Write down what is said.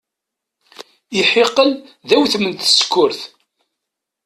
Iḥiqel d awtem n tsekkurt.